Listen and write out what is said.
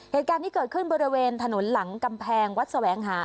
เหตุการณ์ที่เกิดขึ้นบริเวณถนนหลังกำแพงวัดแสวงหา